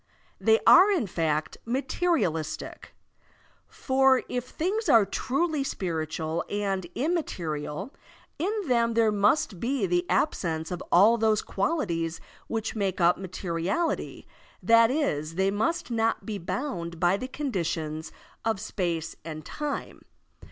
They are in fact materialistic. For if things are truly spiritual and immaterial, in them there must be the absence of all those qualities which make up materiality, that is, they must not be bound by the conditions of space and time.